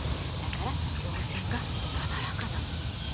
だから稜線がなだらかなの。